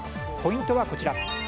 ポイントはこちら。